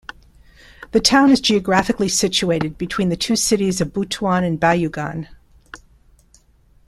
The town is geographically situated between the two cities of Butuan and Bayugan.